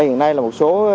hiện nay là một số